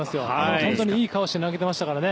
本当にいい顔して投げてましたからね。